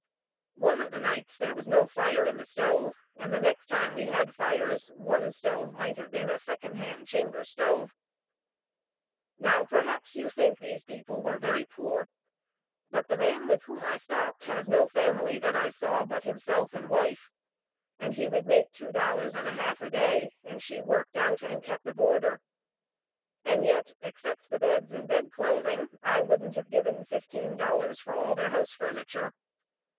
One of the nights there was no fire in the stove, and the next time we had fires, one stove might have been a second hand chamber stove. Now perhaps you think these people very poor, but the man with whom I stopped has no family that I saw, but himself and wife, and he would make two dollars and a half a day, and she worked out and kept a boarder. And yet, except the beds and bed clothing, I wouldn't have given fifteen dollars for all their house furniture.